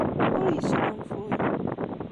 Ur yesgunfuy.